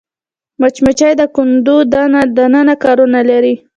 مچمچۍ د کندو دننه کارونه لري